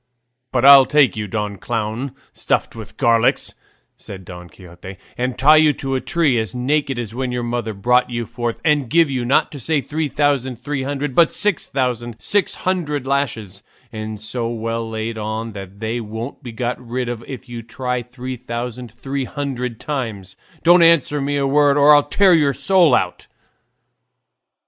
"But I'll take you, Don Clown stuffed with garlic," said Don Quixote, "and tie you to a tree as naked as when your mother brought you forth, and give you, not to say three thousand three hundred, but six thousand six hundred lashes, and so well laid on that they won't be got rid of if you try three thousand three hundred times; don't answer me a word or I'll tear your soul out."